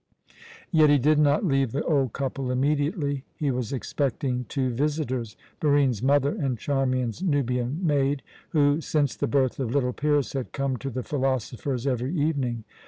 Yet he did not leave the old couple immediately; he was expecting two visitors Barine's mother and Charmian's Nubian maid who, since the birth of little Pyrrhus, had come to the philosopher's every evening.